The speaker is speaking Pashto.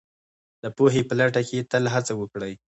د پوهې په لټه کې تل هڅه وکړئ